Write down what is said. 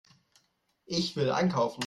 Ich will einkaufen.